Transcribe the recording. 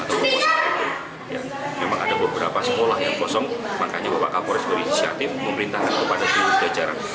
memang ada beberapa sekolah yang kosong makanya bapak kapolis berinisiatif memerintahkan kepada guru belajar